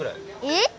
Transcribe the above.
えっ！